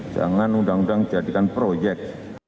jangan undang undang jadikan proyek